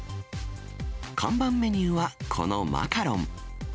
看板メニューは、このマカロン。